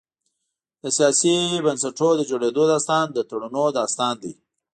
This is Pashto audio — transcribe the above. د سیاسي بنسټونو د جوړېدو داستان د تړونونو داستان دی.